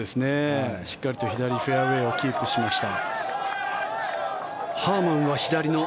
しっかりと左フェアウェーをキープしました。